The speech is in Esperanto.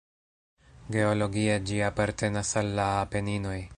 Geologie ĝi apartenas al la Apeninoj.